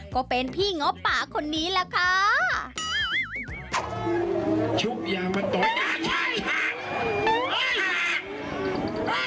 ก็เป็นพี่เงาะปากคนนี้แหละ